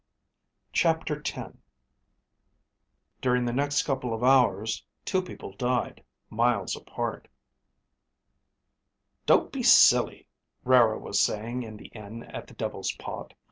CHAPTER X During the next couple of hours, two people died, miles apart. "Don't be silly," Rara was saying in the inn at the Devil's Pot.